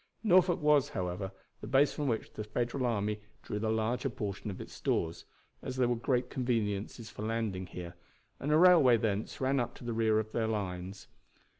Norfolk was, however, the base from which the Federal army drew the larger portion of its stores; as there were great conveniences for landing here, and a railway thence ran up to the rear of their lines.